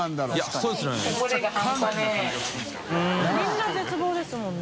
みんな「絶望」ですもんね。